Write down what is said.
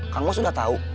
kan lo sudah tau